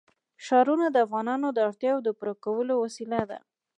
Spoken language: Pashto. ښارونه د افغانانو د اړتیاوو د پوره کولو وسیله ده.